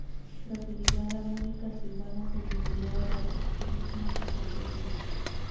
Tras su llegada, Mónica Silvana se vinculó al activismo asociativo.